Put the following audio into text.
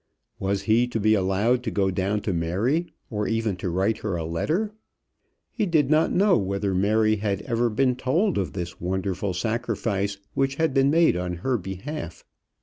Was he to be allowed to go down to Mary, or even to write her a letter? He did not know whether Mary had ever been told of this wonderful sacrifice which had been made on her behalf.